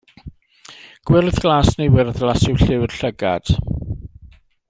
Gwyrdd, glas neu wyrddlas yw lliw'r llygad.